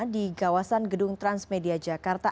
di kawasan gedung transmedia jakarta